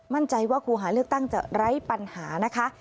มั่นใจว่าครูหาเลือกตั้งจะไร้ปัญหานะคะ